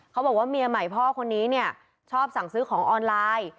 เขาบอกว่าเมียใหม่พ่อคนนี้เนี่ยชอบสั่งซื้อของออนไลน์